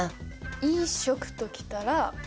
衣食ときたら。